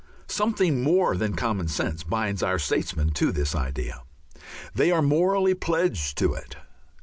Something more than common sense binds our statesmen to this idea. They are morally pledged to it.